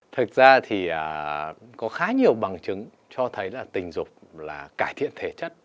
thực ra thì có khá nhiều bằng chứng cho thấy là tình dục là cải thiện thể chất